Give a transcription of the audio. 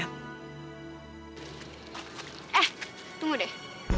eh tunggu deh